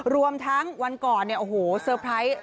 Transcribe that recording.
รวมทั้งวันก่อนเนี่ยโอ้โหเซอร์ไพรส์